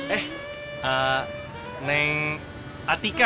eh neng atika ya